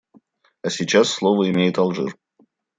А сейчас слово имеет Алжир.